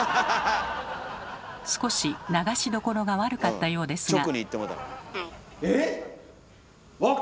少し流しどころが悪かったようですが。